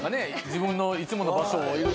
自分のいつもの場所を。